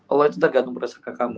allah itu tergantung perasaan kamu